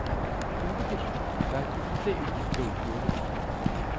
Kim bilir, belki biz de evimizde okuyoruz…